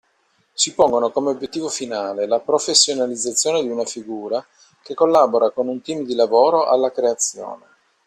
Si pongono come obiettivo finale la professionalizzazione di una figura che collabora con un team di lavoro alla creazione.